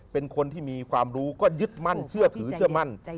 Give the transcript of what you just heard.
เป็นคนที่มีความรู้ก็ยึดมั่นเชื่อถือเชื่อมั่น